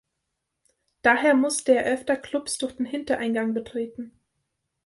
Daher musste er öfter Clubs durch den Hintereingang betreten.